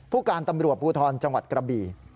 ผู้การตำรวจภูทรจังหวัดกระบี่